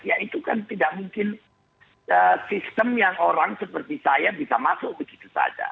ya itu kan tidak mungkin sistem yang orang seperti saya bisa masuk begitu saja